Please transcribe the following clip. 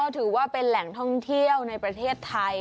ถือว่าเป็นแหล่งท่องเที่ยวในประเทศไทย